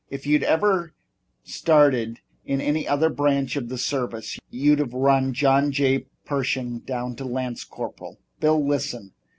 "If you'd ever started in any other branch of the service you'd have run John J. Pershing down to lance corporal. Bill, listen!